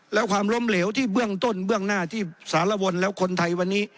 แล้วความล้มเหลวที่เบื้องต้นเบื้องหน้าที่สารวนแล้วคนไทยวันนี้